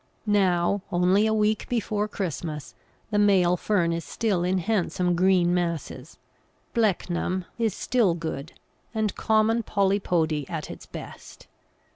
Now, only a week before Christmas, the male fern is still in handsome green masses; Blechnum is still good, and common Polypody at its best.